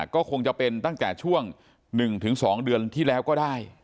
ก็คงจะเป็นตั้งแต่ช่วง๑๒เดือนที่แล้วก็ได้